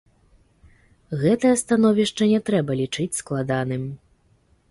Гэтае становішча не трэба лічыць складаным.